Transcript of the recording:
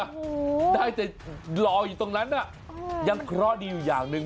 โอ้โหได้แต่รออยู่ตรงนั้นน่ะยังเคราะห์ดีอยู่อย่างหนึ่ง